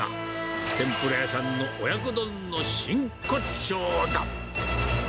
天ぷら屋さんの親子丼の真骨頂だ。